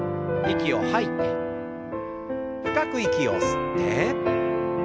息を吐いて深く息を吸って。